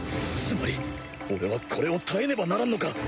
つまり俺はこれを耐えねばならんのか？